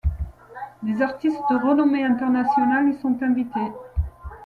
Des artistes de renommée internationale y sont invités.